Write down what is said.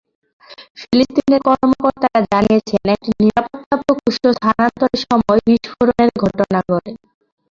ফিলিস্তিনের কর্মকর্তারা জানিয়েছেন, একটি নিরাপত্তা প্রকোষ্ঠ স্থানান্তরের সময় বিস্ফোরণের ঘটনা ঘটে।